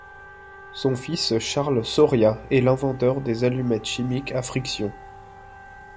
Son fils Charles Sauria est l'inventeur des allumettes chimiques à friction.